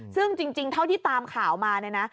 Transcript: ซึ่งจริงเท่าที่ตามข่าวมาเนี่ยนะ